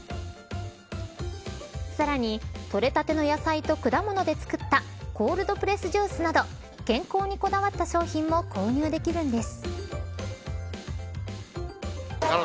さらに採れたての野菜と果物で作ったコールドプレスジュースなど健康にこだわった商品も購入できるんです。